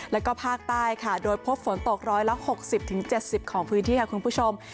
แล้วก็ภาคใต้ค่ะโดยพบฝนตกร้อยละ๖๐๗๐ของพื้นที่ค่ะคุณผู้ชม